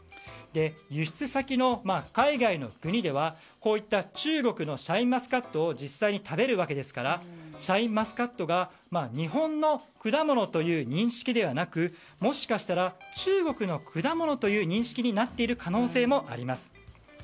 輸出先の海外の国ではこういった中国のシャインマスカットを実際に食べるわけですからシャインマスカットが日本の果物という認識ではなくもしかしたら中国の果物という認識になっている可能性もあります。